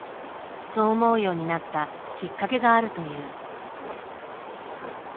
そう思うようになったきっかけがあるという。